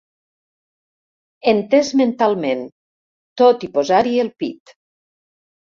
Entès mentalment, tot i posar-hi el pit.